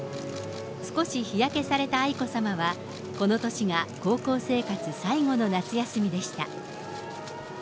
少し日焼けされた愛子さまは、この年が高校生活最後の夏休みでした。